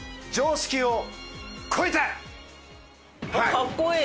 かっこいい。